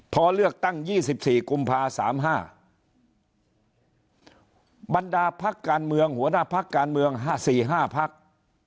พอเลือกตั้ง๒๔กุมภา๓๕บรรดาพักการเมืองหัวหน้าพักการเมือง๔๕พัก